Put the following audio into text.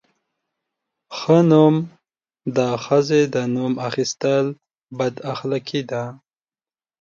_ښه نو، د ښځې د نوم اخيستل بد اخلاقي ده!